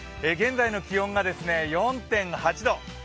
現在の気温が４．８度。